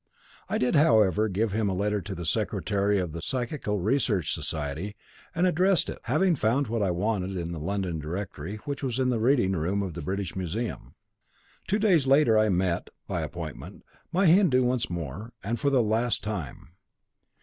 I did, however, give him a letter to the Secretary of the Psychical Research Society, and addressed it, having found what I wanted in the London Directory, which was in the reading room of the British Museum. Two days later I met, by appointment, my Hindu once more, and for the last time.